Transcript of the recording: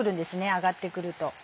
揚がってくると。